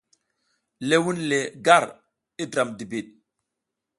Ləh wun le gar i dram dibid.